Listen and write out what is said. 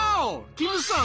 キムさん